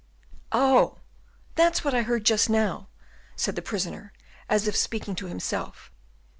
"Oh! that's what I heard just now," said the prisoner, as if speaking to himself.